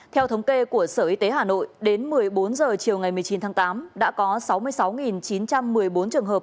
theo thống kê của sở y tế hà nội đến một mươi bốn h chiều ngày một mươi chín tháng tám đã có sáu mươi sáu chín trăm một mươi bốn trường hợp